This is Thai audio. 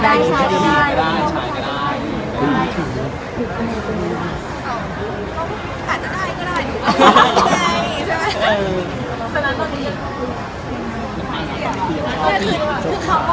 แต่พอผดคำพูดคำนี่สาธารณะคนเด็กถัง